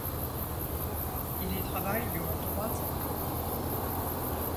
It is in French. Il y travaille durant trois ans.